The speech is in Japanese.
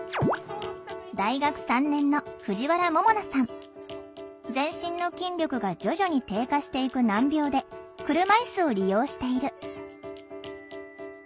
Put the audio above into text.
大学３年の全身の筋力が徐々に低下していく難病で車いすを利用している。